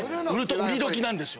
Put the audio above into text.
売り時なんですよ。